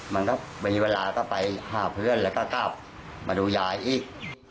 มันก็มีเวลาก็ไปหาเพื่อนแล้วก็กลับมาดูยายอีก